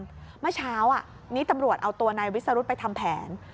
เมื่อเช้านี้ตำรวจเอาตัวนายวิสรุธไปทำแผน